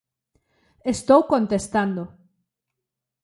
Estou contestando.